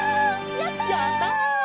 やった！